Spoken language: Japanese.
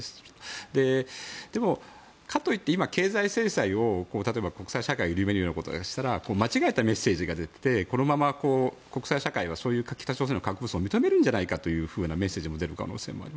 でも、かといって経済制裁を国際社会が緩めるようなことをしたら間違えたメッセージが出て国際社会は、北朝鮮の核武装を認めるんじゃないかというメッセージも出る可能性がある。